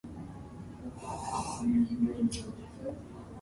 Males are also often larger than the females.